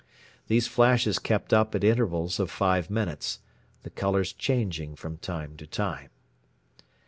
These flashes kept up at intervals of five minutes, the colors changing from time to time.